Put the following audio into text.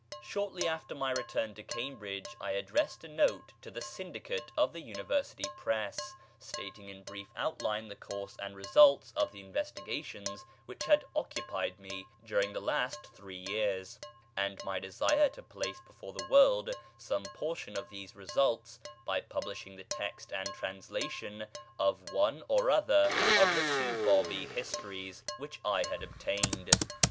[page xliv] Shortly after my return to Cambridge I addressed a note to the Syndicate of the University Press, stating in brief outline the course and results of the investigations which had occupied me during the last three years, and my desire to place before the world some portion of these results by publishing the text and translation of one or other of the two Bábí histories which I had obtained.